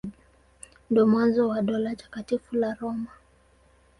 Ndio mwanzo wa Dola Takatifu la Roma.